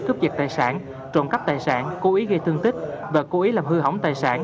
cướp giật tài sản trộm cắp tài sản cố ý gây thương tích và cố ý làm hư hỏng tài sản